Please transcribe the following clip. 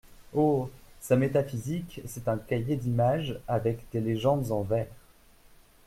Oh ! sa métaphysique, c'est un cahier d'images avec des légendes en vers.